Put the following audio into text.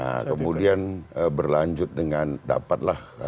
nah kemudian berlanjut dengan dapatlah